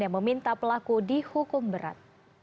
yang meminta pelaku dihukum berat